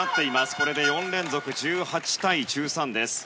これで４連続、１８対１３です。